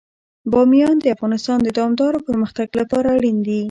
بامیان د افغانستان د دوامداره پرمختګ لپاره اړین دي.